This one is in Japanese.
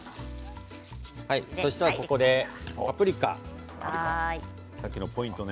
そしたらここでパプリカ。